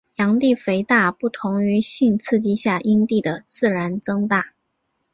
阴蒂肥大不同于性刺激下阴蒂的自然增大。